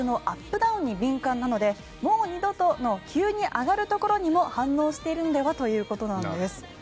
ダウンに敏感なので「もう二度と」の急に上がるところにも反応しているのではということです。